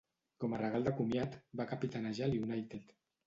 Com a regal de comiat, va capitanejar l'United.